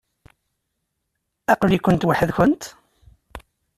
Aql-ikent weḥd-nkent?